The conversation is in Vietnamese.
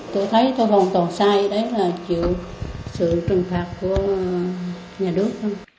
tôi thấy tôi vòng tổ sai đấy là chịu sự trừng phạt của nhà nước